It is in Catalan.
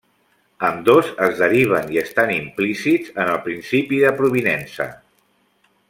Ambdós es deriven i estan implícits en el principi de provinença.